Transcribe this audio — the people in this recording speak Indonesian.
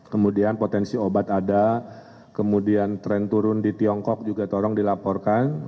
kemudian potensi obat ada kemudian tren turun di tiongkok juga tolong dilaporkan